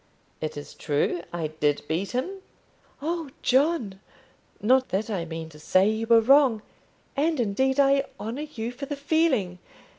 "It is true. I did beat him." "Oh, John! not that I mean to say you were wrong, and indeed I honour you for the feeling.